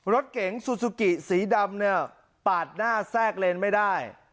รถเก๋งซูซูกิสีดำเนี่ยปาดหน้าแทรกเลนไม่ได้